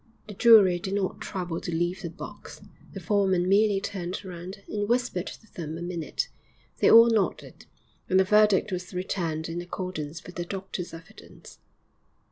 The jury did not trouble to leave the box; the foreman merely turned round and whispered to them a minute; they all nodded, and a verdict was returned in accordance with the doctor's evidence!